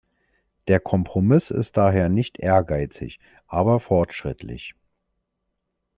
Der Kompromiss ist daher nicht ehrgeizig, aber fortschrittlich.